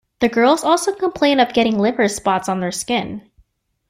The girls also complain of getting liver spots on their skin.